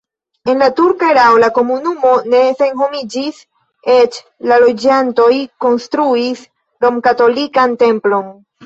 En la turka erao la komunumo ne senhomiĝis, eĉ la loĝantoj konstruis romkatolikan templon.